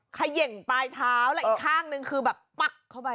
เขย่งปลายเท้าแล้วอีกข้างนึงคือแบบปั๊กเข้าไป